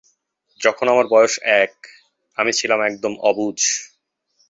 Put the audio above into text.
যখন আমার বয়স এক, আমি ছিলাম একদম অবুঝ।